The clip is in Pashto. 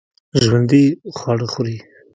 ژوندي خواړه خوري